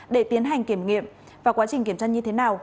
để tiến hành kiểm nghiệm và quá trình kiểm tra như thế nào